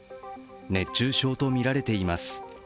熱中症とみられています。